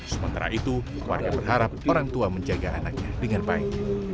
sementara itu keluarga berharap orang tua menjaga anaknya dengan baik